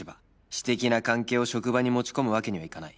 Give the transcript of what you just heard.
私的な関係を職場に持ち込むわけにはいかない